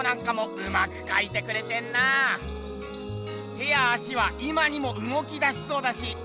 手や足は今にもうごきだしそうだし。